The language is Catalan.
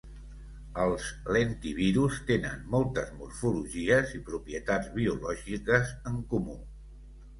Els lentivirus tenen moltes morfologies i propietats biològiques en comú.